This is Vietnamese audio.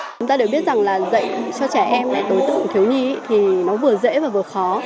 chúng ta đều biết rằng là dạy cho trẻ em hay đối tượng thiếu nhi thì nó vừa dễ và vừa khó